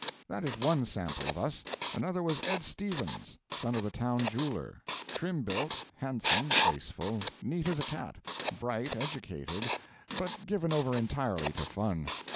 That is one sample of us. Another was Ed Stevens, son of the town jeweller, trim built, handsome, graceful, neat as a cat; bright, educated, but given over entirely to fun.